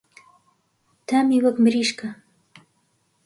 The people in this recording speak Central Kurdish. تامی وەک مریشکە.